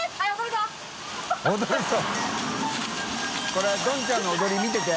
これどんちゃんの踊り見てて。